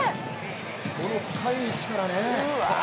この深い位置からね。